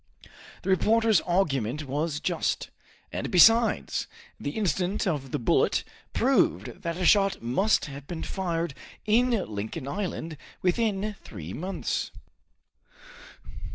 The reporter's argument was just, and besides, the incident of the bullet proved that a shot must have been fired in Lincoln Island within three months.